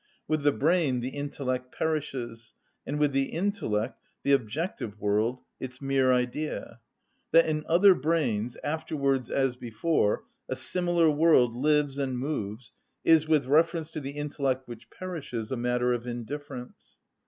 With the brain the intellect perishes, and with the intellect the objective world, its mere idea. That in other brains, afterwards as before, a similar world lives and moves is, with reference to the intellect which perishes, a matter of indifference.